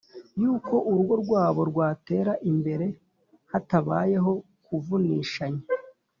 y’uko urugo rwabo rwatera imbere hatabayeho kuvunishanya.